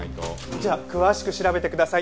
じゃあ詳しく調べてください。